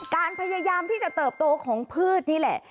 พยายามที่จะเติบโตของพืชนี่แหละ